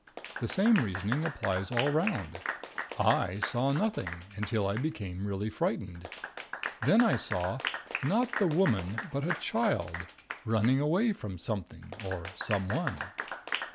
The same reasoning applies all 'round. I saw nothing, until I became really frightened; then I saw, not the Woman; but a Child, running away from Something or Someone.